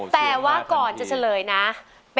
แต่ว่าก่อนจะเวลาช่วยกับเจ้า